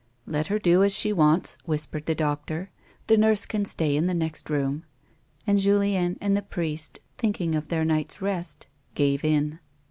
" Let her do as she wants," whispered the doctor ; "the nurse can stay in the next room," and Julien and the priest, thinking of their night's rest, gave in.